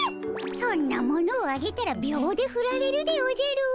そんなものをあげたら秒でふられるでおじゃる。